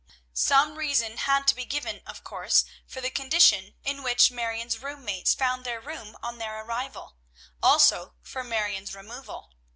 Some reason had to be given, of course, for the condition in which Marion's room mates found their room on their arrival, also for Marion's removal.